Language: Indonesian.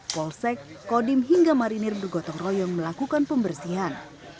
polsek kodim hingga marinir bergotong royong melakukan pembersihan